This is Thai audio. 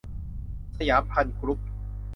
สยามภัณฑ์กรุ๊ป